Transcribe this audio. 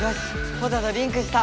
ポタとリンクした！